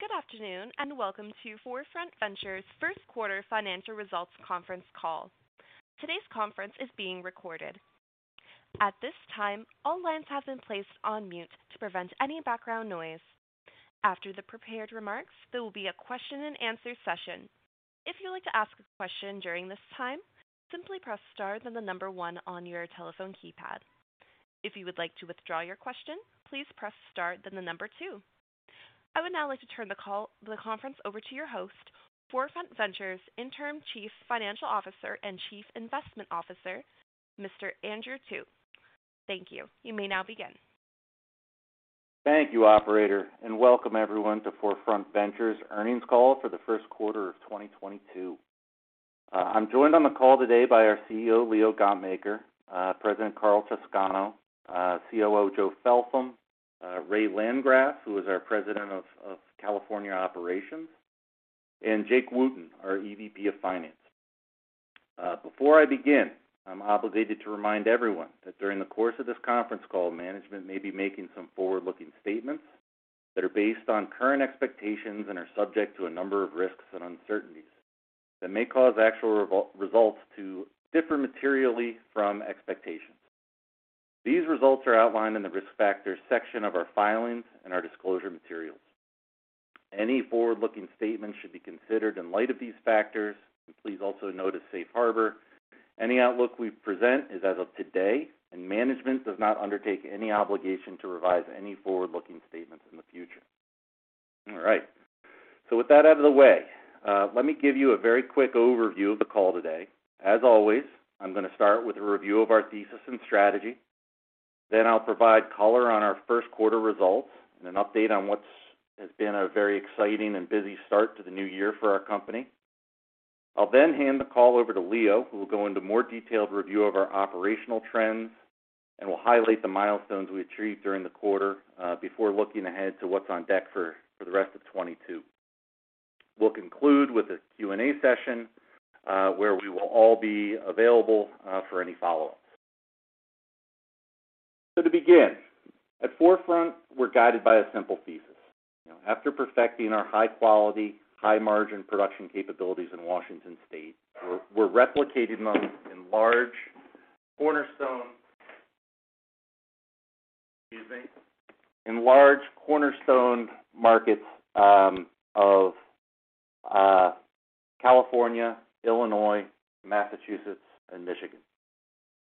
Good afternoon, and welcome to 4Front Ventures Q1 Financial Results Conference Call. Today's conference is being recorded. At this time, all lines have been placed on mute to prevent any background noise. After the prepared remarks, there will be a question-and-answer session. If you'd like to ask a question during this time, simply press star then the number one on your telephone keypad. If you would like to withdraw your question, please press star then the number two. I would now like to turn the conference over to your host, 4Front Ventures Interim Chief Financial Officer and Chief Investment Officer, Mr. Andrew Thut. Thank you. You may now begin. Thank you, operator, and welcome everyone to 4Front Ventures earnings call for the Q1 of 2022. I'm joined on the call today by our CEO, Leo Gontmakher, President Carl Toscano, COO Joe Feltham, Ray Landgraf, who is our President of California Operations, and Jake Wooten, our EVP of Finance. Before I begin, I'm obligated to remind everyone that during the course of this conference call, management may be making some forward-looking statements that are based on current expectations and are subject to a number of risks and uncertainties that may cause actual results to differ materially from expectations. These results are outlined in the risk factors section of our filings and our disclosure materials. Any forward-looking statements should be considered in light of these factors. Please also note as safe harbor, any outlook we present is as of today, and management does not undertake any obligation to revise any forward-looking statements in the future. All right. With that out of the way, let me give you a very quick overview of the call today. As always, I'm gonna start with a review of our thesis and strategy. I'll provide color on our Q1 results and an update on what's been a very exciting and busy start to the new year for our company. I'll hand the call over to Leo, who will go into more detailed review of our operational trends and will highlight the milestones we achieved during the quarter, before looking ahead to what's on deck for the rest of 2022. We'll conclude with a Q&A session where we will all be available for any follow-ups. To begin, at 4Front, we're guided by a simple thesis. You know, after perfecting our high-quality, high-margin production capabilities in Washington state, we're replicating them in large cornerstone markets of California, Illinois, Massachusetts, and Michigan.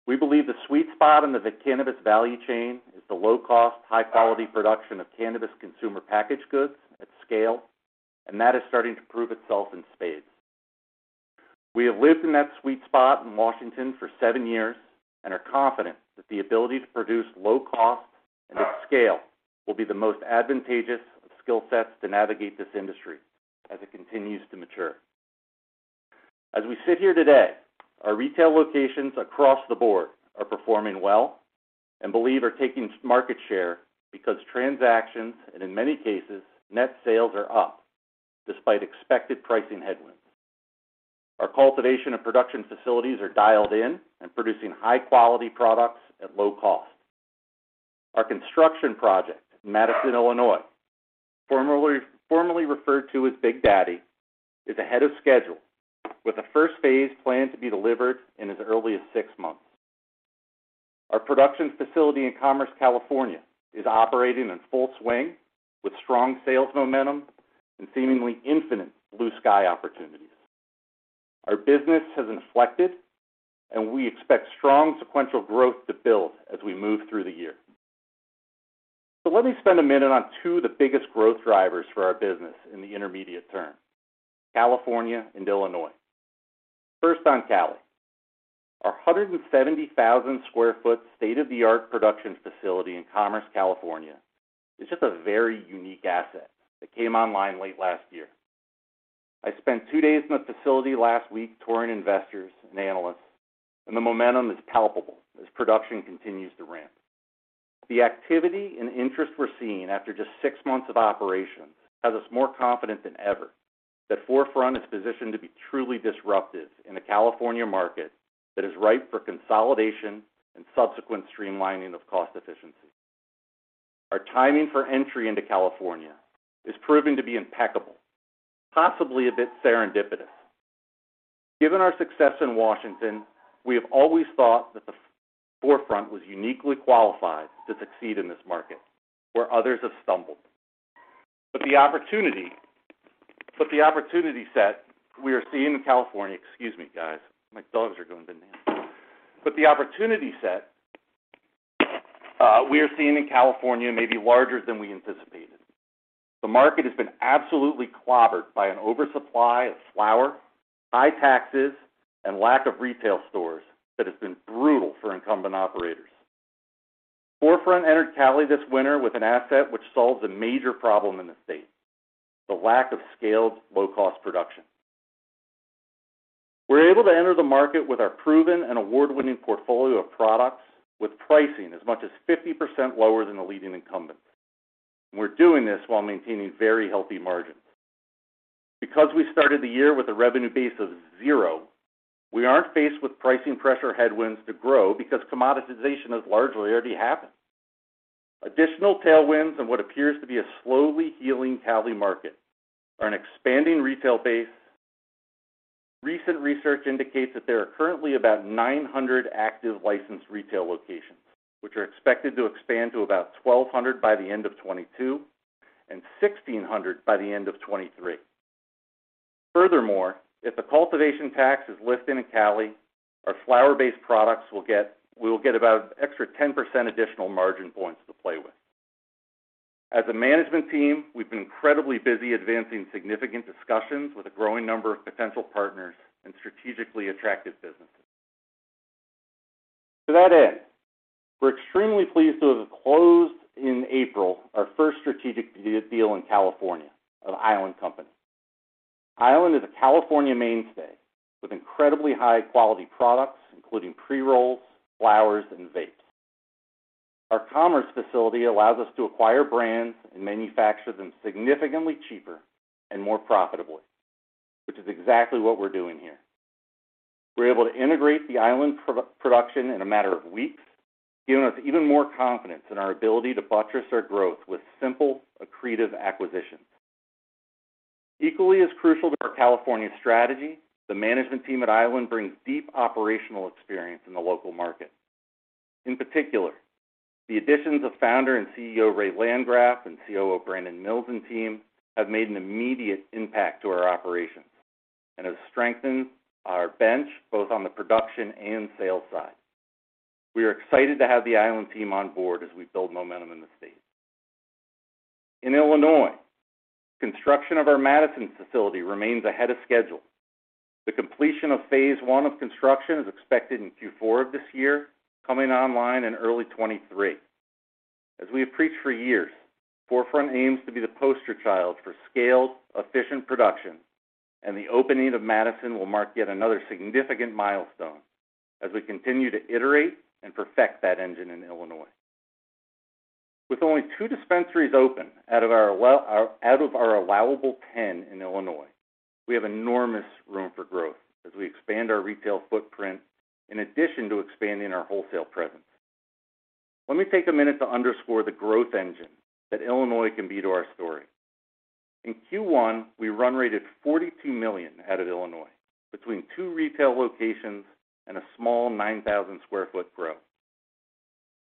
We believe the sweet spot in the cannabis value chain is the low cost, high-quality production of cannabis consumer packaged goods at scale, and that is starting to prove itself in spades. We have lived in that sweet spot in Washington for seven years and are confident that the ability to produce low cost and at scale will be the most advantageous skill sets to navigate this industry as it continues to mature. As we sit here today, our retail locations across the board are performing well, and we believe are taking some market share because transactions, and in many cases, net sales are up despite expected pricing headwinds. Our cultivation and production facilities are dialed in and producing high-quality products at low cost. Our construction project, Matteson, Illinois, formerly referred to as Big Daddy, is ahead of schedule with the first phase planned to be delivered in as early as six months. Our production facility in Commerce, California, is operating in full swing with strong sales momentum and seemingly infinite blue sky opportunities. Our business has inflected, and we expect strong sequential growth to build as we move through the year. Let me spend a minute on two of the biggest growth drivers for our business in the intermediate term: California and Illinois. First on Cali. Our 170,000 sq ft state-of-the-art production facility in Commerce, California, is just a very unique asset that came online late last year. I spent two days in the facility last week touring investors and analysts, and the momentum is palpable as production continues to ramp. The activity and interest we're seeing after just six months of operations has us more confident than ever that 4Front is positioned to be truly disruptive in a California market that is ripe for consolidation and subsequent streamlining of cost efficiencies. Our timing for entry into California is proven to be impeccable, possibly a bit serendipitous. Given our success in Washington, we have always thought that 4Front was uniquely qualified to succeed in this market where others have stumbled. The opportunity set we are seeing in California. Excuse me, guys. My dogs are going bananas. The opportunity set, we are seeing in California may be larger than we anticipated. The market has been absolutely clobbered by an oversupply of flower, high taxes, and lack of retail stores that has been brutal for incumbent operators. 4Front entered Cali this winter with an asset which solves a major problem in the state, the lack of scaled low-cost production. We're able to enter the market with our proven and award-winning portfolio of products with pricing as much as 50% lower than the leading incumbent. We're doing this while maintaining very healthy margins. Because we started the year with a revenue base of zero, we aren't faced with pricing pressure headwinds to grow because commoditization has largely already happened. Additional tailwinds and what appears to be a slowly healing Cali market are an expanding retail base. Recent research indicates that there are currently about 900 active licensed retail locations, which are expected to expand to about 1,200 by the end of 2022 and 1,600 by the end of 2023. Furthermore, if the cultivation tax is lifted in California, our flower-based products we will get about extra 10% additional margin points to play with. As a management team, we've been incredibly busy advancing significant discussions with a growing number of potential partners in strategically attractive businesses. To that end, we're extremely pleased to have closed in April our first strategic deal in California with Island Company. Island is a California mainstay with incredibly high-quality products, including pre-rolls, flowers, and vapes. Our Commerce facility allows us to acquire brands and manufacture them significantly cheaper and more profitably, which is exactly what we're doing here. We're able to integrate the Island production in a matter of weeks, giving us even more confidence in our ability to buttress our growth with simple, accretive acquisitions. Equally as crucial to our California strategy, the management team at Island brings deep operational experience in the local market. In particular, the additions of founder and CEO Ray Landgraf and COO Brandon Mills and team have made an immediate impact to our operations and have strengthened our bench, both on the production and sales side. We are excited to have the Island team on board as we build momentum in the state. In Illinois, construction of our Matteson facility remains ahead of schedule. The completion of phase one of construction is expected in Q4 of this year, coming online in early 2023. As we have preached for years, 4Front aims to be the poster child for scaled, efficient production, and the opening of Matteson will mark yet another significant milestone as we continue to iterate and perfect that engine in Illinois. With only two dispensaries open out of our allowable 10 in Illinois, we have enormous room for growth as we expand our retail footprint in addition to expanding our wholesale presence. Let me take a minute to underscore the growth engine that Illinois can be to our story. In Q1, we run-rated $42 million out of Illinois between two retail locations and a small 9,000 sq ft grow.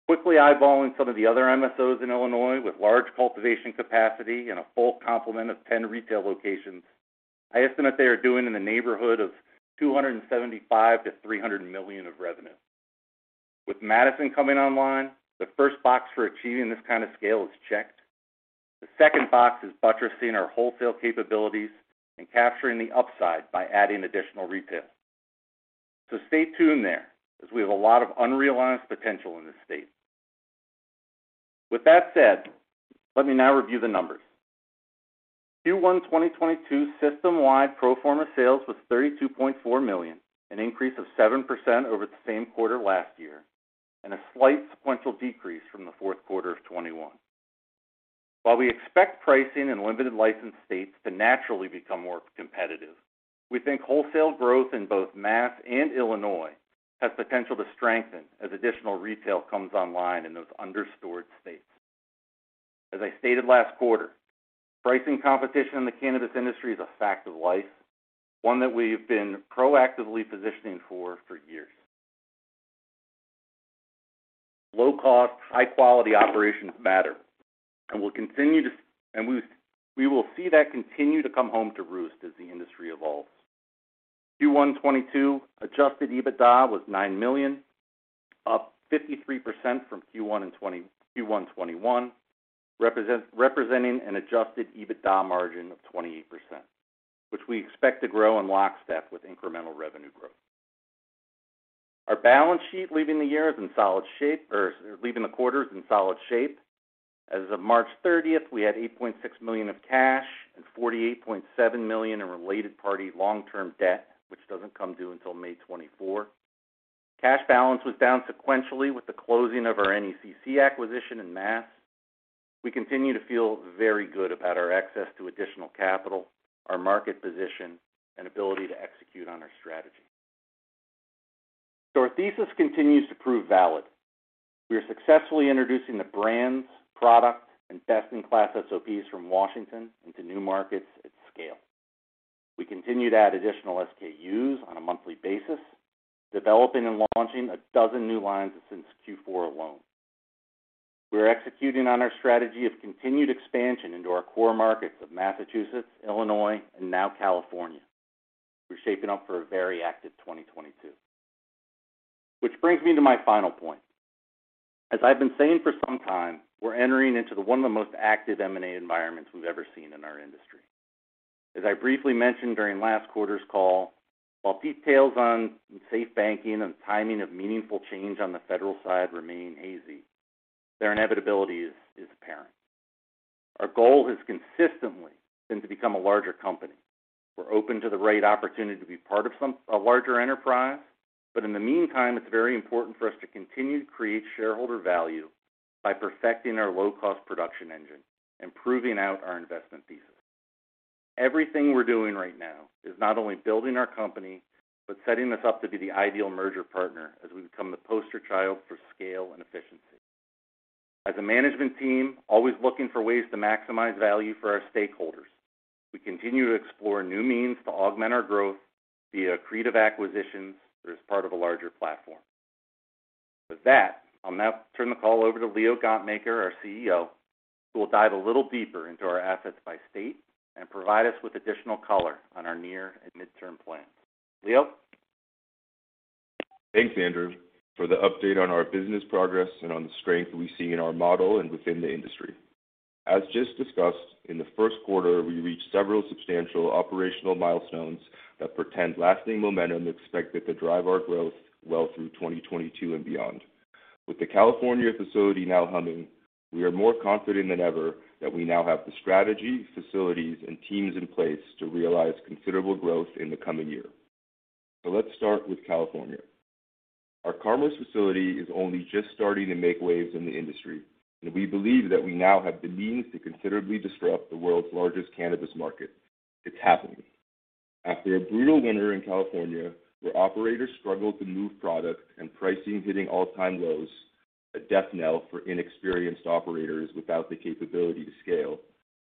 Quickly eyeballing some of the other MSOs in Illinois with large cultivation capacity and a full complement of 10 retail locations, I estimate they are doing in the neighborhood of $275 million-$300 million of revenue. With Matteson coming online, the first box for achieving this kind of scale is checked. The second box is buttressing our wholesale capabilities and capturing the upside by adding additional retail. Stay tuned there as we have a lot of unrealized potential in this state. With that said, let me now review the numbers. Q1 2022 system-wide pro forma sales was $32.4 million, an increase of 7% over the same quarter last year, and a slight sequential decrease from the Q4 of 2021. While we expect pricing in limited licensed states to naturally become more competitive, we think wholesale growth in both Mass and Illinois has potential to strengthen as additional retail comes online in those under-stored states. As I stated last quarter, pricing competition in the cannabis industry is a fact of life, one that we have been proactively positioning for years. Low-cost, high-quality operations matter, and we will see that continue to come home to roost as the industry evolves. Q1 2022 adjusted EBITDA was $9 million, up 53% from Q1 2021, representing an adjusted EBITDA margin of 28%, which we expect to grow in lockstep with incremental revenue growth. Our balance sheet leaving the year is in solid shape, or leaving the quarter is in solid shape. As of 30 March 2024, we had $8.6 million of cash and $48.7 million in related party long-term debt, which doesn't come due until 24 May 2024. Cash balance was down sequentially with the closing of our NECC acquisition in Massachusetts. We continue to feel very good about our access to additional capital, our market position, and ability to execute on our strategy. Our thesis continues to prove valid. We are successfully introducing the brands, product, and best-in-class SOPs from Washington into new markets at scale. We continue to add additional SKUs on a monthly basis, developing and launching 12 new lines since Q4 alone. We are executing on our strategy of continued expansion into our core markets of Massachusetts, Illinois, and now California. We're shaping up for a very active 2022. Which brings me to my final point. As I've been saying for some time, we're entering into one of the most active M&A environments we've ever seen in our industry. As I briefly mentioned during last quarter's call, while details on SAFE Banking and timing of meaningful change on the federal side remain hazy, their inevitability is apparent. Our goal has consistently been to become a larger company. We're open to the right opportunity to be part of a larger enterprise, but in the meantime, it's very important for us to continue to create shareholder value by perfecting our low-cost production engine and proving out our investment thesis. Everything we're doing right now is not only building our company, but setting us up to be the ideal merger partner as we become the poster child for scale and efficiency. As a management team, always looking for ways to maximize value for our stakeholders, we continue to explore new means to augment our growth via accretive acquisitions or as part of a larger platform. With that, I'll now turn the call over to Leo Gontmakher, our CEO, who will dive a little deeper into our assets by state and provide us with additional color on our near and midterm plans. Leo? Thanks, Andrew, for the update on our business progress and on the strength we see in our model and within the industry. As just discussed, in the Q1, we reached several substantial operational milestones that portend lasting momentum expected to drive our growth well through 2022 and beyond. With the California facility now humming, we are more confident than ever that we now have the strategy, facilities, and teams in place to realize considerable growth in the coming year. Let's start with California. Our Commerce facility is only just starting to make waves in the industry, and we believe that we now have the means to considerably disrupt the world's largest cannabis market. It's happening. After a brutal winter in California, where operators struggled to move product and pricing hitting all-time lows, a death knell for inexperienced operators without the capability to scale,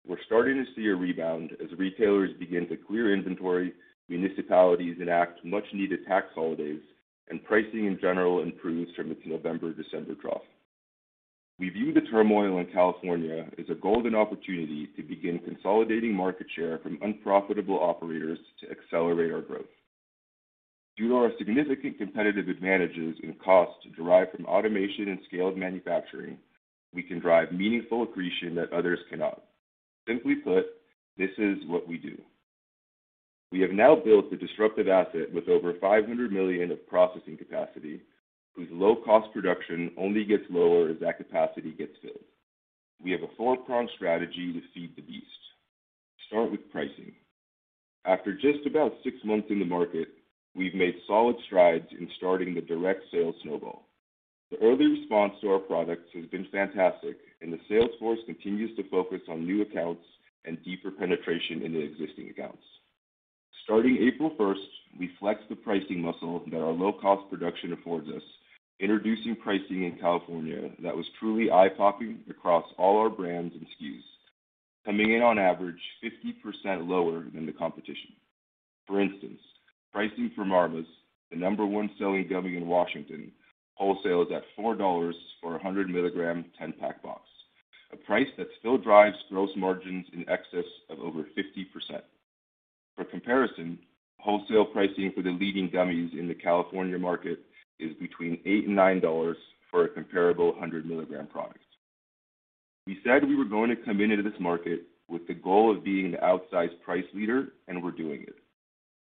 we're starting to see a rebound as retailers begin to clear inventory, municipalities enact much-needed tax holidays, and pricing in general improves from its November, December trough. We view the turmoil in California as a golden opportunity to begin consolidating market share from unprofitable operators to accelerate our growth. Due to our significant competitive advantages in cost derived from automation and scaled manufacturing, we can drive meaningful accretion that others cannot. Simply put, this is what we do. We have now built a disruptive asset with over 500 million of processing capacity, whose low-cost production only gets lower as that capacity gets filled. We have a four-pronged strategy to feed the beast. Start with pricing. After just about six months in the market, we've made solid strides in starting the direct sales snowball. The early response to our products has been fantastic, and the sales force continues to focus on new accounts and deeper penetration into existing accounts. Starting 1 April 2024, we flexed the pricing muscle that our low-cost production affords us, introducing pricing in California that was truly eye-popping across all our brands and SKUs, coming in on average 50% lower than the competition. For instance, pricing for Marmas, the number one selling gummy in Washington, wholesales at $4 for a 100 mg 10-pack box, a price that still drives gross margins in excess of over 50%. For comparison, wholesale pricing for the leading gummies in the California market is between $8 and $9 for a comparable 100 mg product. We said we were going to come into this market with the goal of being the outsized price leader, and we're doing it.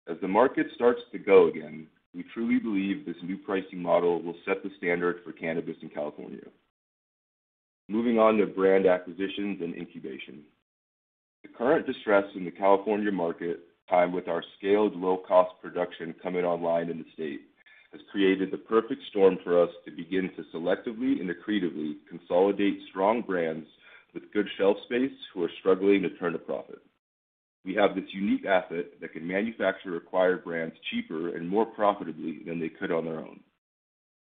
As the market starts to go again, we truly believe this new pricing model will set the standard for cannabis in California. Moving on to brand acquisitions and incubation. The current distress in the California market, timed with our scaled low-cost production coming online in the state, has created the perfect storm for us to begin to selectively and accretively consolidate strong brands with good shelf space who are struggling to turn a profit. We have this unique asset that can manufacture acquired brands cheaper and more profitably than they could on their own.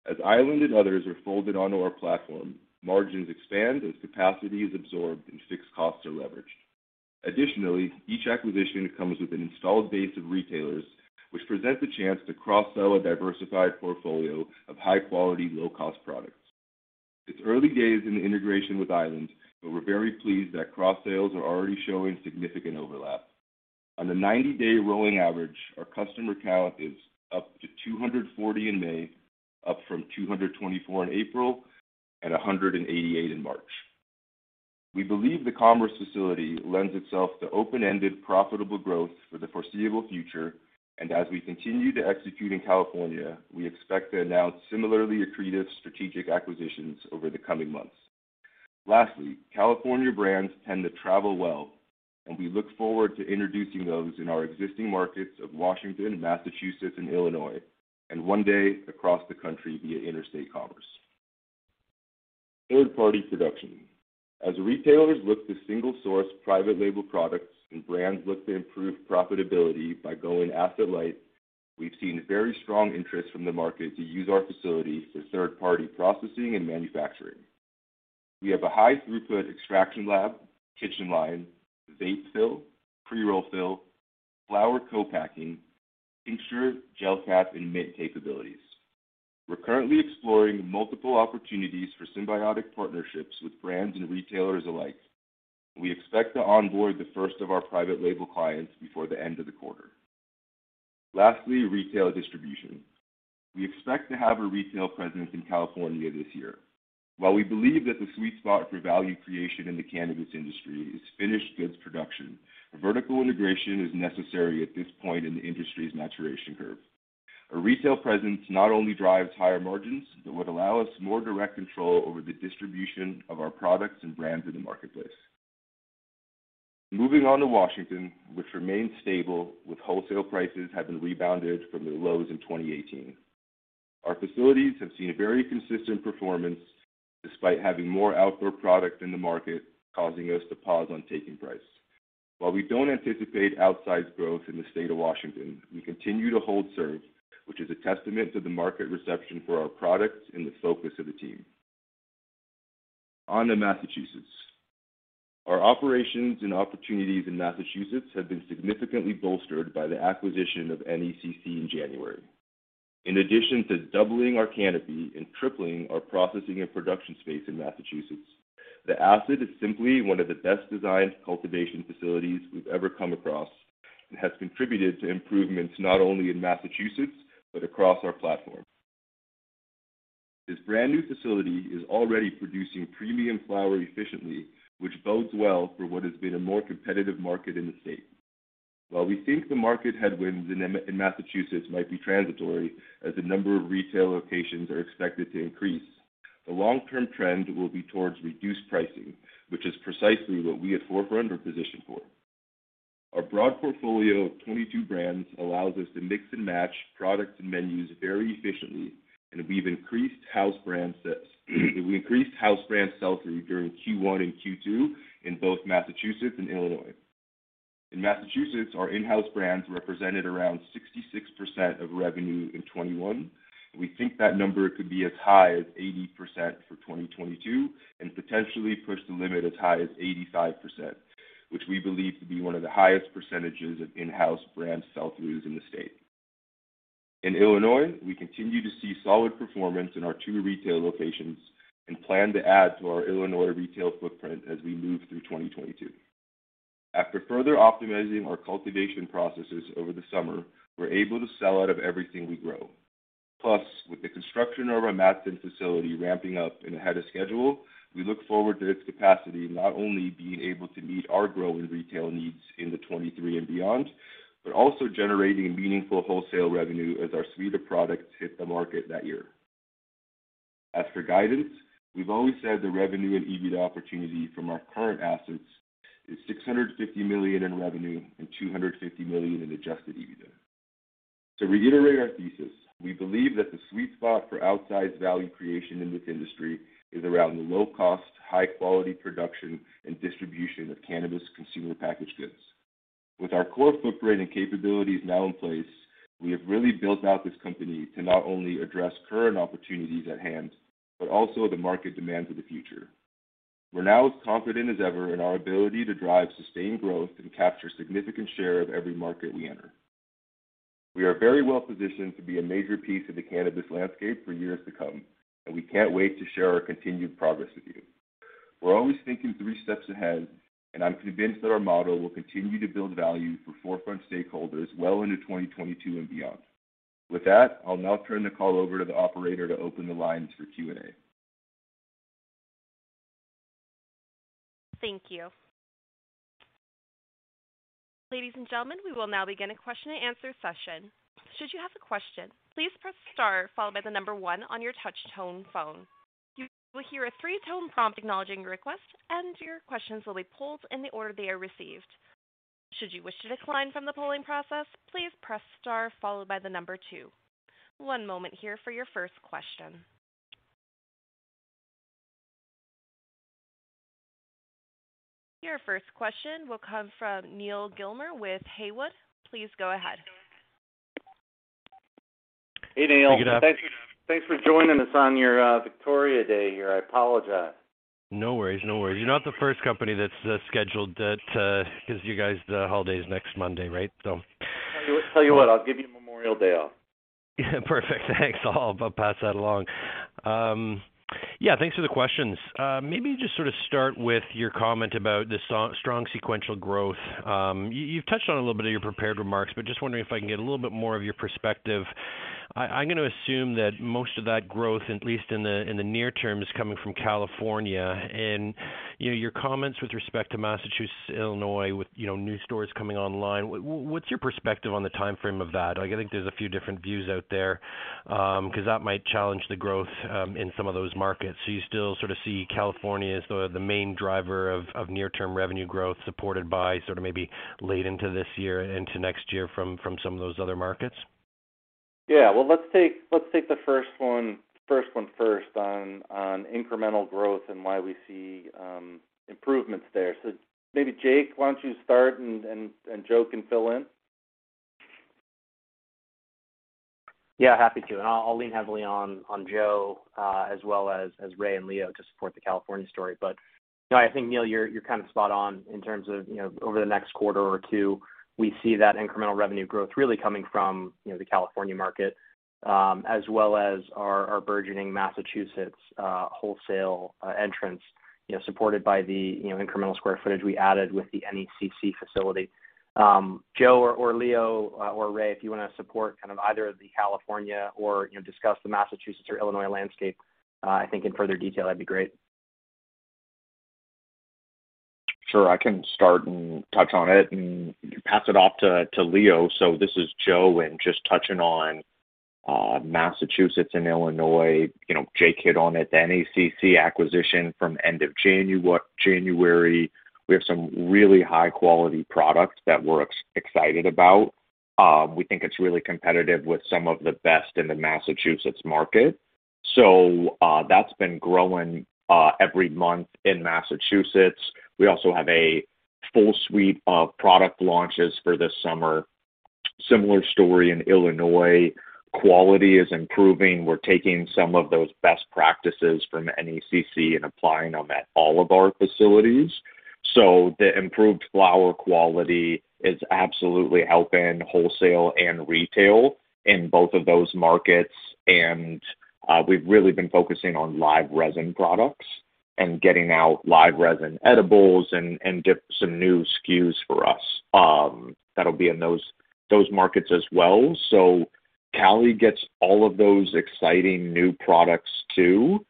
As Island and others are folded onto our platform, margins expand as capacity is absorbed and fixed costs are leveraged. Each acquisition comes with an installed base of retailers, which present the chance to cross-sell a diversified portfolio of high-quality, low-cost products. It's early days in the integration with Island, but we're very pleased that cross-sales are already showing significant overlap. On the 90-day rolling average, our customer count is up to 240 in May, up from 224 in April and 188 in March. We believe the Commerce facility lends itself to open-ended, profitable growth for the foreseeable future. As we continue to execute in California, we expect to announce similarly accretive strategic acquisitions over the coming months. Lastly, California brands tend to travel well, and we look forward to introducing those in our existing markets of Washington, Massachusetts, and Illinois, and one day across the country via interstate commerce. Third-party production. As retailers look to single-source private label products and brands look to improve profitability by going asset light, we've seen very strong interest from the market to use our facility for third-party processing and manufacturing. We have a high-throughput extraction lab, kitchen line, vape fill, pre-roll fill, flower co-packing, tincture, gel cap, and mint capabilities. We're currently exploring multiple opportunities for symbiotic partnerships with brands and retailers alike. We expect to onboard the first of our private label clients before the end of the quarter. Lastly, retail distribution. We expect to have a retail presence in California this year. While we believe that the sweet spot for value creation in the cannabis industry is finished goods production, vertical integration is necessary at this point in the industry's maturation curve. A retail presence not only drives higher margins, but would allow us more direct control over the distribution of our products and brands in the marketplace. Moving on to Washington, which remains stable with wholesale prices having rebounded from the lows in 2018. Our facilities have seen a very consistent performance despite having more outdoor product in the market, causing us to pause on taking price. While we don't anticipate outsized growth in the state of Washington, we continue to hold serve, which is a testament to the market reception for our products and the focus of the team. On to Massachusetts. Our operations and opportunities in Massachusetts have been significantly bolstered by the acquisition of NECC in January. In addition to doubling our canopy and tripling our processing and production space in Massachusetts, the asset is simply one of the best-designed cultivation facilities we've ever come across and has contributed to improvements not only in Massachusetts but across our platform. This brand-new facility is already producing premium flower efficiently, which bodes well for what has been a more competitive market in the state. While we think the market headwinds in Massachusetts might be transitory as the number of retail locations are expected to increase, the long-term trend will be towards reduced pricing, which is precisely what we at 4Front are positioned for. Our broad portfolio of 22 brands allows us to mix and match products and menus very efficiently, and we've increased house brand sets. We increased house brand sell-through during Q1 and Q2 in both Massachusetts and Illinois. In Massachusetts, our in-house brands represented around 66% of revenue in 2021. We think that number could be as high as 80% for 2022, and potentially push the limit as high as 85%, which we believe to be one of the highest percentages of in-house brand sell-throughs in the state. In Illinois, we continue to see solid performance in our two retail locations and plan to add to our Illinois retail footprint as we move through 2022. After further optimizing our cultivation processes over the summer, we're able to sell out of everything we grow. Plus, with the construction of our Matteson facility ramping up and ahead of schedule, we look forward to its capacity not only being able to meet our growing retail needs into 2023 and beyond, but also generating meaningful wholesale revenue as our suite of products hit the market that year. As for guidance, we've always said the revenue and EBITDA opportunity from our current assets is $650 million in revenue and $250 million in adjusted EBITDA. To reiterate our thesis, we believe that the sweet spot for outsized value creation in this industry is around low cost, high-quality production and distribution of cannabis consumer packaged goods. With our core footprint and capabilities now in place, we have really built out this company to not only address current opportunities at hand, but also the market demands of the future. We're now as confident as ever in our ability to drive sustained growth and capture significant share of every market we enter. We are very well-positioned to be a major piece of the cannabis landscape for years to come, and we can't wait to share our continued progress with you. We're always thinking three steps ahead, and I'm convinced that our model will continue to build value for 4Front stakeholders well into 2022 and beyond. With that, I'll now turn the call over to the operator to open the lines for Q&A. Thank you. Ladies and gentlemen, we will now begin a question-and-answer session. Should you have a question, please press star followed by the number one on your touch tone phone. You will hear a three-tone prompt acknowledging your request, and your questions will be pulled in the order they are received. Should you wish to decline from the polling process, please press star followed by the number two. One moment here for your first question. Your first question will come from Neal Gilmer with Haywood. Please go ahead. Hey, Neal. Thank you. Thanks for joining us on your, Victoria Day here. I apologize. No worries, no worries. You're not the first company that's scheduled that gives you guys the holidays next Monday, right? Tell you what, I'll give you Memorial Day off. Perfect. Thanks. I'll pass that along. Yeah, thanks for the questions. Maybe just sort of start with your comment about the so strong sequential growth. You've touched on it a little bit in your prepared remarks, but just wondering if I can get a little bit more of your perspective. I'm gonna assume that most of that growth, at least in the near term, is coming from California. You know, your comments with respect to Massachusetts, Illinois, with you know, new stores coming online, what's your perspective on the timeframe of that? Like, I think there's a few different views out there, 'cause that might challenge the growth in some of those markets. You still sort of see California as the main driver of near-term revenue growth, supported by sort of maybe late into this year and into next year from some of those other markets? Yeah. Well, let's take the first one first on incremental growth and why we see improvements there. Maybe, Jake, why don't you start and Joe can fill in. Yeah, happy to. I'll lean heavily on Joe as well as Ray and Leo to support the California story. No, I think, Neal, you're kind of spot on in terms of, you know, over the next quarter or two, we see that incremental revenue growth really coming from, you know, the California market, as well as our burgeoning Massachusetts wholesale entrance, you know, supported by the, you know, incremental square footage we added with the NECC facility. Joe or Leo or Ray, if you wanna support kind of either the California or, you know, discuss the Massachusetts or Illinois landscape, I think in further detail, that'd be great. Sure. I can start and touch on it and pass it off to Leo. This is Joe, and just touching on. Massachusetts and Illinois, you know, Jake hit on it, the NECC acquisition from end of January, we have some really high-quality products that we're excited about. We think it's really competitive with some of the best in the Massachusetts market. That's been growing every month in Massachusetts. We also have a full suite of product launches for this summer. Similar story in Illinois. Quality is improving. We're taking some of those best practices from NECC and applying them at all of our facilities. The improved flower quality is absolutely helping wholesale and retail in both of those markets. We've really been focusing on live resin products and getting out live resin edibles and dip some new SKUs for us, that'll be in those markets as well. Cali gets all of those exciting new products too.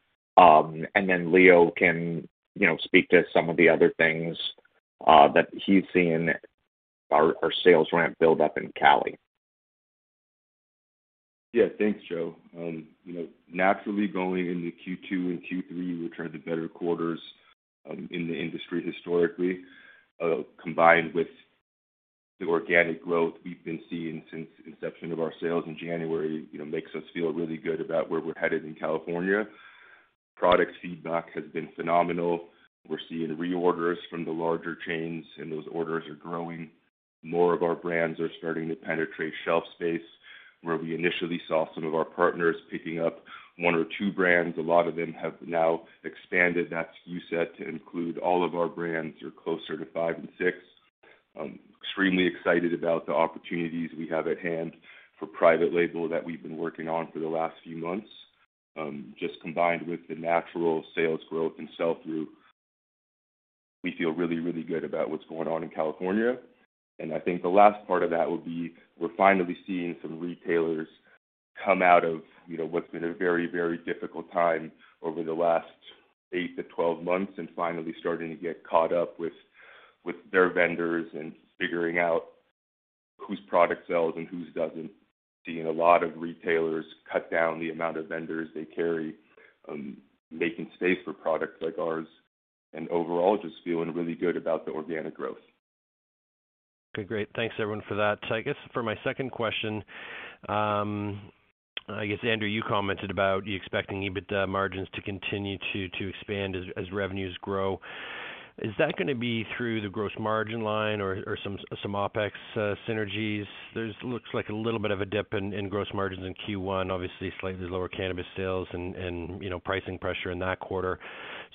Leo can, you know, speak to some of the other things that he's seeing our sales ramp build up in Cali. Yeah. Thanks, Joe. You know, naturally going into Q2 and Q3, which are the better quarters, in the industry historically, combined with the organic growth we've been seeing since inception of our sales in January, you know, makes us feel really good about where we're headed in California. Product feedback has been phenomenal. We're seeing reorders from the larger chains, and those orders are growing. More of our brands are starting to penetrate shelf space. Where we initially saw some of our partners picking up one or two brands, a lot of them have now expanded that SKU set to include all of our brands or closer to five and six. Extremely excited about the opportunities we have at hand for private label that we've been working on for the last few months. Just combined with the natural sales growth and sell-through, we feel really, really good about what's going on in California. I think the last part of that will be we're finally seeing some retailers come out of, you know, what's been a very, very difficult time over the last 8 months-12 months, and finally starting to get caught up with their vendors and figuring out whose product sells and whose doesn't. Seeing a lot of retailers cut down the amount of vendors they carry, making space for products like ours. Overall just feeling really good about the organic growth. Okay. Great. Thanks everyone for that. I guess for my second question, I guess, Andrew, you commented about you expecting EBITDA margins to continue to expand as revenues grow. Is that gonna be through the gross margin line or some OpEx synergies? There looks like a little bit of a dip in gross margins in Q1, obviously, slightly lower cannabis sales and you know, pricing pressure in that quarter.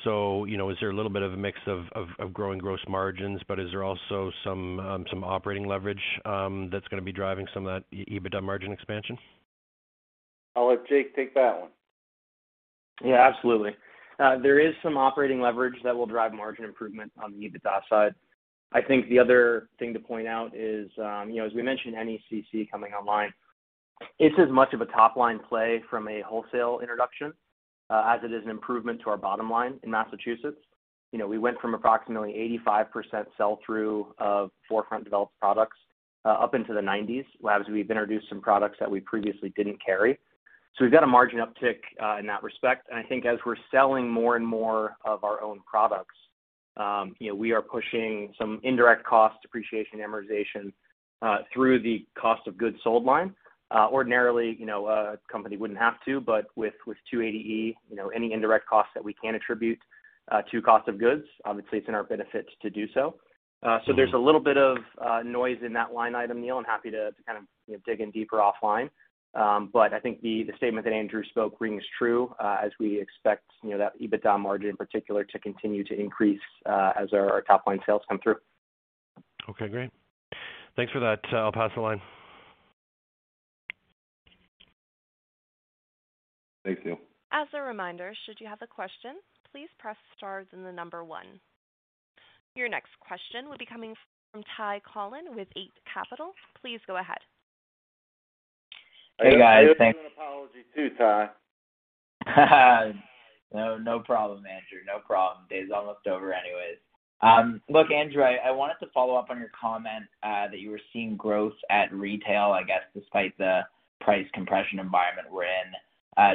You know, is there a little bit of a mix of growing gross margins, but is there also some operating leverage that's gonna be driving some of that EBITDA margin expansion? I'll let Jake take that one. Yeah, absolutely. There is some operating leverage that will drive margin improvement on the EBITDA side. I think the other thing to point out is, you know, as we mentioned NECC coming online, it's as much of a top-line play from a wholesale introduction, as it is an improvement to our bottom line in Massachusetts. You know, we went from approximately 85% sell-through of 4Front developed products, up into the 90s% as we've introduced some products that we previously didn't carry. So we've got a margin uptick, in that respect. I think as we're selling more and more of our own products, you know, we are pushing some indirect costs, depreciation, amortization, through the cost of goods sold line. Ordinarily, you know, a company wouldn't have to, but with 280E, you know, any indirect costs that we can attribute to cost of goods, obviously it's in our benefit to do so. There's a little bit of noise in that line item, Neal. I'm happy to kind of, you know, dig in deeper offline. I think the statement that Andrew spoke rings true, as we expect, you know, that EBITDA margin in particular to continue to increase, as our top-line sales come through. Okay, great. Thanks for that. I'll pass the line. Thanks, Neal. As a reminder, should you have a question, please press stars and the number one. Your next question will be coming from Ty Collin with Eight Capital. Please go ahead. Hey, guys. Thanks. I owe you an apology too, Ty. No, no problem, Andrew. No problem. Day's almost over anyways. Look, Andrew, I wanted to follow up on your comment that you were seeing growth at retail, I guess despite the price compression environment we're in.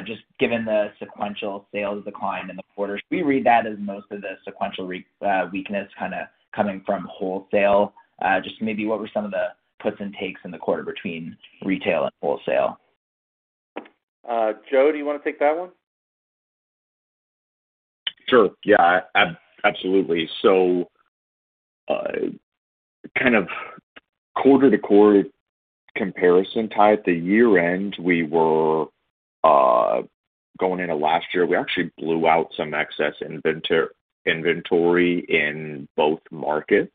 Just given the sequential sales decline in the quarter, should we read that as most of the sequential weakness kinda coming from wholesale? Just maybe what were some of the puts and takes in the quarter between retail and wholesale? Joe, do you wanna take that one? Sure. Yeah. Absolutely. Kind of quarter-to-quarter comparison, Ty. At year-end, we were going into last year. We actually blew out some excess inventory in both markets.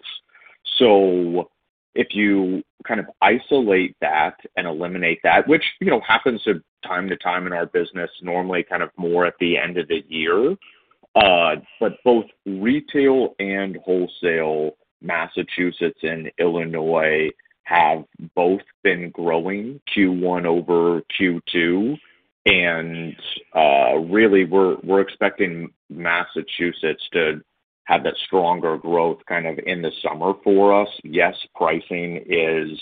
If you kind of isolate that and eliminate that, which you know happens from time to time in our business, normally kind of more at the end of the year. Both retail and wholesale, Massachusetts and Illinois, have both been growing Q1 over Q2. Really we're expecting Massachusetts to have that stronger growth kind of in the summer for us. Yes, pricing is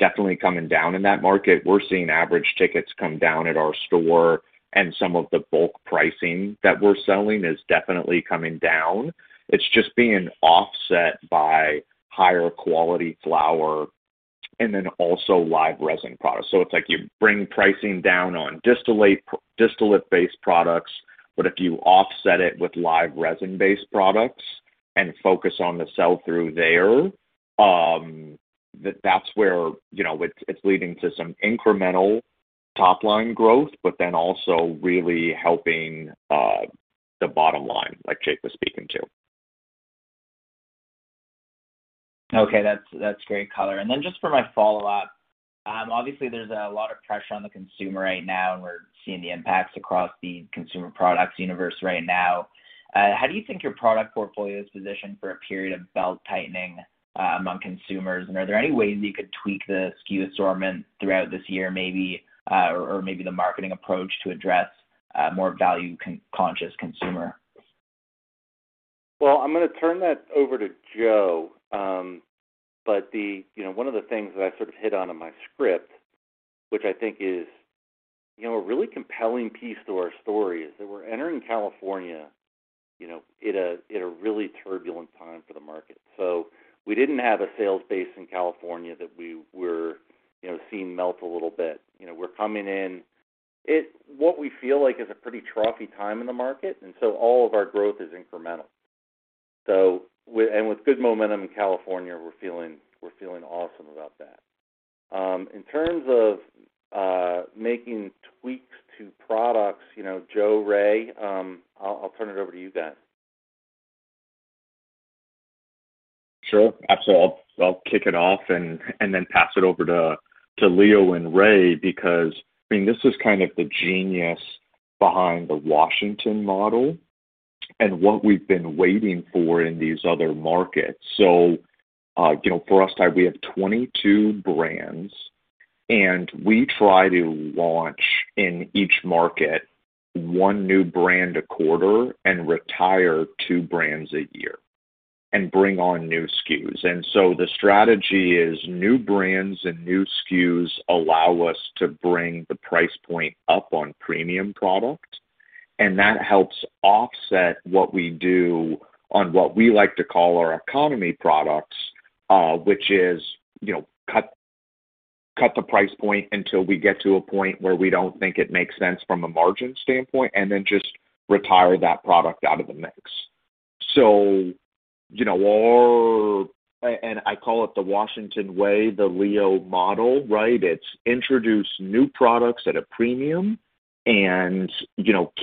definitely coming down in that market. We're seeing average tickets come down at our store, and some of the bulk pricing that we're selling is definitely coming down. It's just being offset by higher quality flower and then also live resin products. It's like you bring pricing down on distillate-based products, but if you offset it with live resin-based products and focus on the sell-through there, that's where, you know, it's leading to some incremental top-line growth, but then also really helping the bottom line, like Jake was speaking to. Okay. That's great color. Then just for my follow-up, obviously there's a lot of pressure on the consumer right now, and we're seeing the impacts across the consumer products universe right now. How do you think your product portfolio is positioned for a period of belt-tightening among consumers? Are there any ways you could tweak the SKU assortment throughout this year maybe, or maybe the marketing approach to address a more value-conscious consumer? Well, I'm gonna turn that over to Joe. You know, one of the things that I sort of hit on in my script, which I think is, you know, a really compelling piece to our story, is that we're entering California, you know, in a really turbulent time for the market. We didn't have a sales base in California that we were, you know, seeing melt a little bit. You know, we're coming in at what we feel like is a pretty trough-y time in the market, and all of our growth is incremental. With good momentum in California, we're feeling awesome about that. In terms of making tweaks to products, you know, Joe, Ray, I'll turn it over to you guys. Sure. Absolutely. I'll kick it off and then pass it over to Leo and Ray, because I mean this is kind of the genius behind the Washington model and what we've been waiting for in these other markets. You know, for us today, we have 22 brands, and we try to launch in each market one new brand a quarter and retire two brands a year and bring on new SKUs. The strategy is new brands and new SKUs allow us to bring the price point up on premium product, and that helps offset what we do on what we like to call our economy products, which is, you know, cut the price point until we get to a point where we don't think it makes sense from a margin standpoint, and then just retire that product out of the mix. I call it the Washington way, the Leo model, right? It's introduce new products at a premium and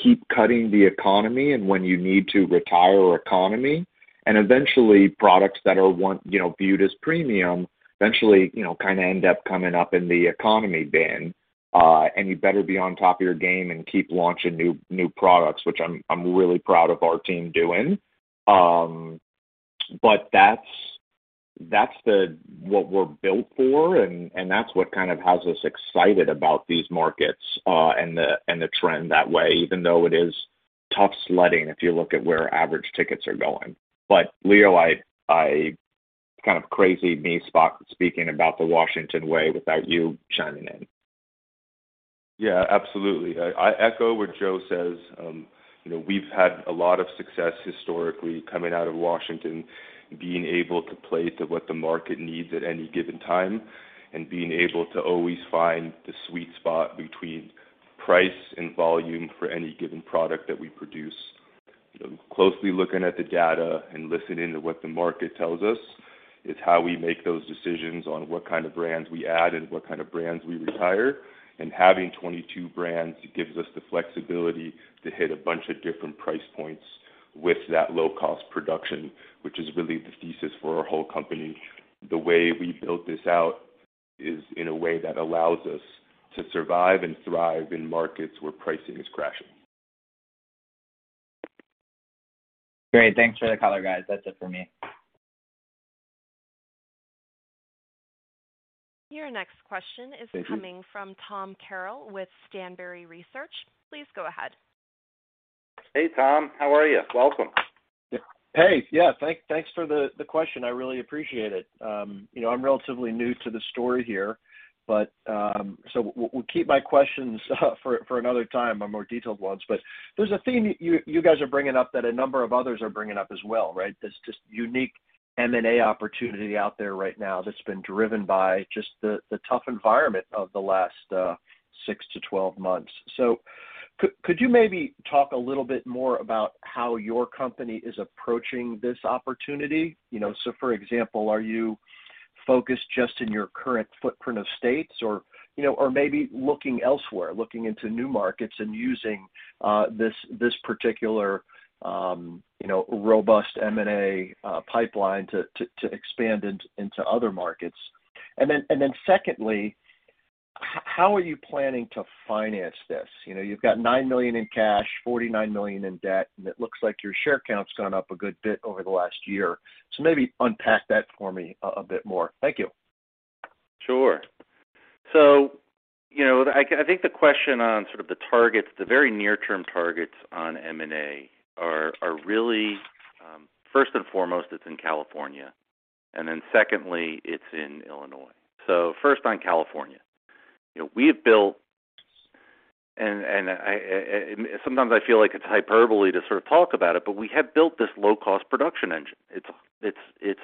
keep cutting the economy and when you need to retire economy. Eventually, products that are viewed as premium, eventually kind of end up coming up in the economy bin. You better be on top of your game and keep launching new products, which I'm really proud of our team doing. That's what we're built for, and that's what kind of has us excited about these markets and the trend that way, even though it is tough sledding if you look at where average tickets are going. Leo, kind of crazy me speaking about the Washington way without you chiming in. Yeah, absolutely. I echo what Joe says. You know, we've had a lot of success historically coming out of Washington, being able to play to what the market needs at any given time and being able to always find the sweet spot between price and volume for any given product that we produce. You know, closely looking at the data and listening to what the market tells us is how we make those decisions on what kind of brands we add and what kind of brands we retire. Having 22 brands gives us the flexibility to hit a bunch of different price points with that low cost production, which is really the thesis for our whole company. The way we built this out is in a way that allows us to survive and thrive in markets where pricing is crashing. Great. Thanks for the color, guys. That's it for me. Your next question is coming from Tom Carroll with Stansberry Research. Please go ahead. Hey, Tom. How are you? Welcome. Hey. Yeah. Thanks for the question. I really appreciate it. You know, I'm relatively new to the story here, but we'll keep my questions for another time, my more detailed ones. There's a theme you guys are bringing up that a number of others are bringing up as well, right? This just unique M&A opportunity out there right now that's been driven by just the tough environment of the last 6 months-12 months. Could you maybe talk a little bit more about how your company is approaching this opportunity? You know, so for example, are you focused just in your current footprint of states or you know or maybe looking elsewhere, looking into new markets and using this particular you know robust M&A pipeline to expand into other markets. Secondly, how are you planning to finance this? You know, you've got $9 million in cash, $49 million in debt, and it looks like your share count's gone up a good bit over the last year. Maybe unpack that for me a bit more. Thank you. Sure. You know, I think the question on sort of the targets, the very near-term targets on M&A are really first and foremost, it's in California, and then secondly, it's in Illinois. First on California. You know, we have built this low-cost production engine. Sometimes I feel like it's hyperbole to sort of talk about it, but we have built this low-cost production engine. It's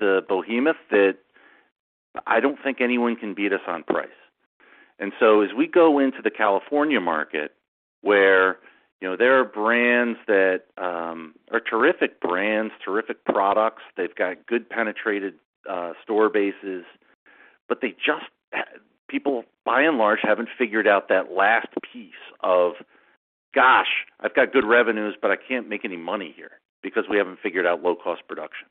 a behemoth that I don't think anyone can beat us on price. As we go into the California market where, you know, there are brands that are terrific brands, terrific products. They've got good penetration store bases, but they just have people, by and large, haven't figured out that last piece of, gosh, I've got good revenues, but I can't make any money here because we haven't figured out low-cost production.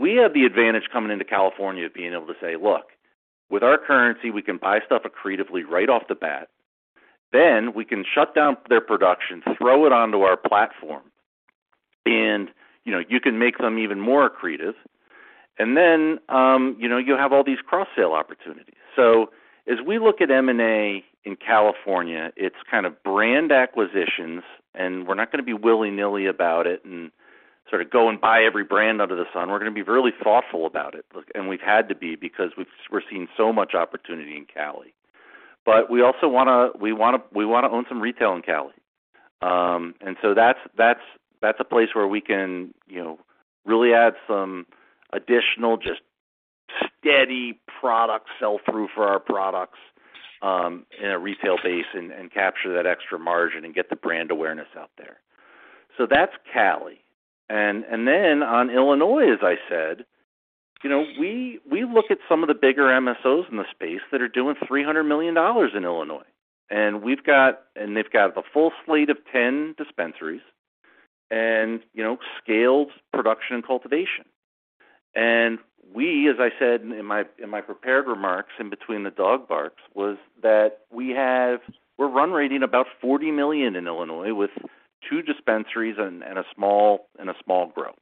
We have the advantage coming into California being able to say, "Look, with our currency, we can buy stuff accretively right off the bat, then we can shut down their production, throw it onto our platform, and, you know, you can make them even more accretive. And then, you know, you have all these cross-sale opportunities." As we look at M&A in California, it's kind of brand acquisitions, and we're not gonna be willy-nilly about it and sort of go and buy every brand under the sun. We're gonna be really thoughtful about it, look, and we've had to be because we're seeing so much opportunity in Cali. We also wanna own some retail in Cali. That's a place where we can, you know, really add some additional just steady product sell through for our products, in a retail base and capture that extra margin and get the brand awareness out there. That's Cali. Then on Illinois, as I said, you know, we look at some of the bigger MSOs in the space that are doing $300 million in Illinois. They've got a full slate of 10 dispensaries and, you know, scaled production and cultivation. We, as I said in my prepared remarks in between the dog barks, that we're run rating about $40 million in Illinois with two dispensaries and a small grow.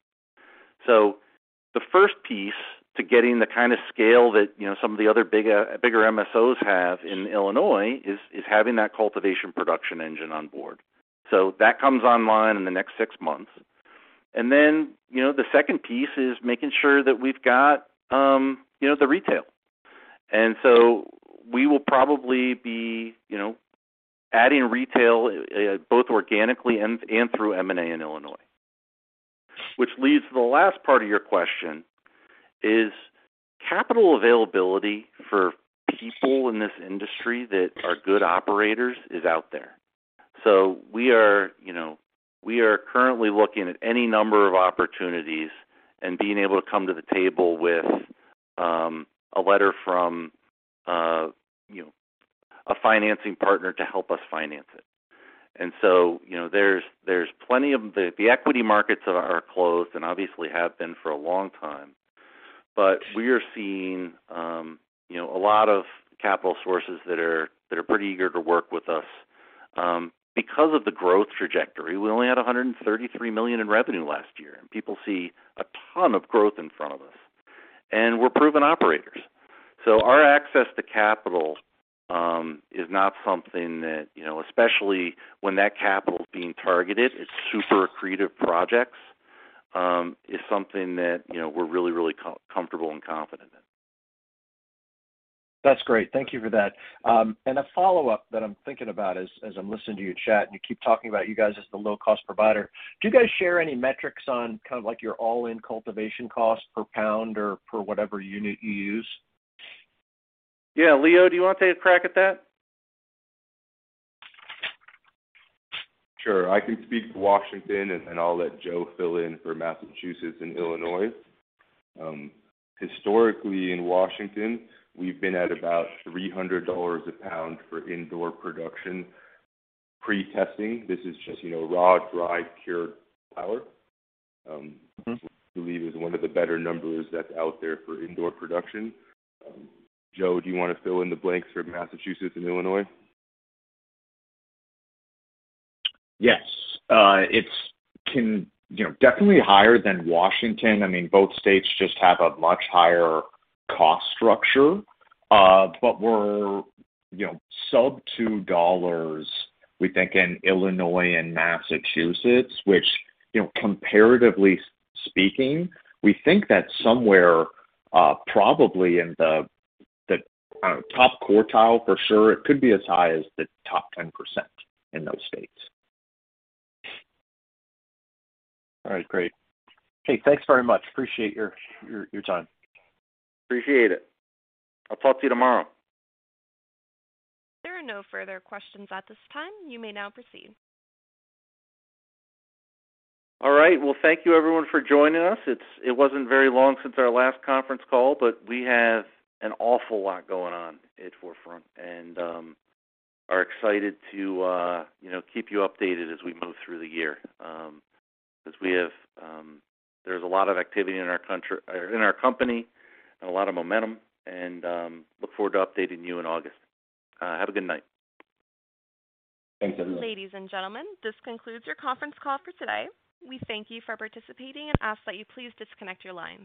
The first piece to getting the kind of scale that, you know, some of the other big, bigger MSOs have in Illinois is having that cultivation production engine on board. That comes online in the next six months. You know, the second piece is making sure that we've got, you know, the retail. We will probably be, you know, adding retail, both organically and through M&A in Illinois. Which leads to the last part of your question is capital availability for people in this industry that are good operators is out there. We are, you know, we are currently looking at any number of opportunities and being able to come to the table with a letter from, you know, a financing partner to help us finance it. You know, there's plenty of. Equity markets are closed and obviously have been for a long time. We are seeing, you know, a lot of capital sources that are pretty eager to work with us, because of the growth trajectory. We only had $133 million in revenue last year, and people see a ton of growth in front of us, and we're proven operators. Our access to capital is not something that, you know, especially when that capital is being targeted, it's super accretive projects, is something that, you know, we're really comfortable and confident in. That's great. Thank you for that. A follow-up that I'm thinking about as I'm listening to you chat, and you keep talking about you guys as the low-cost provider. Do you guys share any metrics on kind of like your all-in cultivation cost per pound or per whatever unit you use? Yeah. Leo, do you want to take a crack at that? Sure. I can speak to Washington, and I'll let Joe fill in for Massachusetts and Illinois. Historically in Washington, we've been at about $300 a pound for indoor production pre-testing. This is just, you know, raw, dried, cured flower. I believe is one of the better numbers that's out there for indoor production. Joe, do you wanna fill in the blanks for Massachusetts and Illinois? Yes. It's kinda, you know, definitely higher than Washington. I mean, both states just have a much higher cost structure. We're, you know, sub $2, we think in Illinois and Massachusetts, which, you know, comparatively speaking, we think that somewhere, probably in the top quartile for sure. It could be as high as the top 10% in those states. All right. Great. Hey, thanks very much. Appreciate your time. Appreciate it. I'll talk to you tomorrow. There are no further questions at this time. You may now proceed. All right. Well, thank you everyone for joining us. It wasn't very long since our last conference call, but we have an awful lot going on at 4Front and are excited to you know keep you updated as we move through the year, as we have. There's a lot of activity in our company and a lot of momentum, and look forward to updating you in August. Have a good night. Thanks, everyone. Ladies and gentlemen, this concludes your conference call for today. We thank you for participating and ask that you please disconnect your lines.